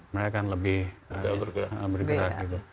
mereka akan lebih bergerak